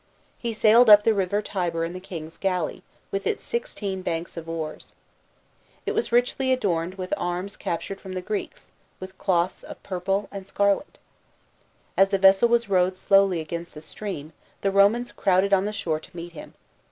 He sailed up the river Tiber in the king's galley, with its sixteen banks of oars. B.C. 167.] TRIUMPH OF PAULUS. 175 It was richly adorned with arms captured from the Greeks, with cloths of purple, and scarlet. As the vessel was rowed slowly against the stream, the Romans crowded on the shore to meet him.